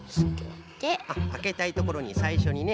あけたいところにさいしょにね。